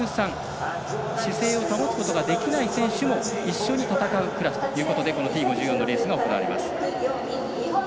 ただ、この中にはＴ５３姿勢を保つことができない選手も一緒に戦うクラスということでＴ５４のレースが行われます。